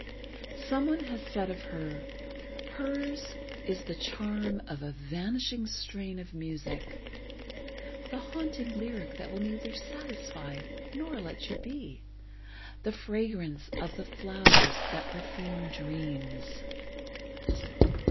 Someone has said of her: "Hers is the charm of a vanishing strain of music, the haunting lyric that will neither satisfy, nor let you be—the fragrance of the flowers that perfume dreams."